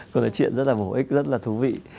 còn là chuyện rất là hữu ích rất là thú vị